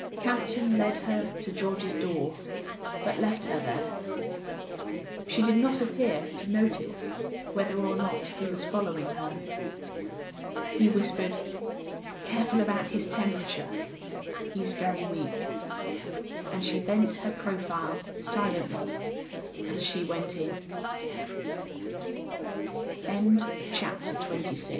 Camp ton led her to George's door, but left her there; she did not appear to notice whether or not he was following her. He whispered: "Careful about his tem¬ perature; he's very weak," and she bent her profile silent